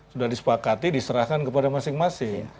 sudah disepakati diserahkan kepada masing masing